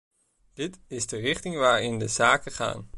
Dit is de richting waarin de zaken gaan.